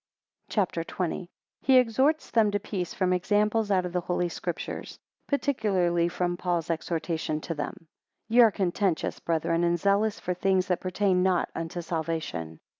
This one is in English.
CHAPTER XX. He exerts them to peace from examples out of the Holy Scriptures, 20 particularly from St. Paul's exhortation to them. YE are contentious, brethren, and zealous for things that pertain not unto salvation.